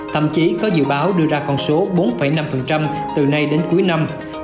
thậm chí có dự báo đưa ra con số bốn năm từ nay đến cuối năm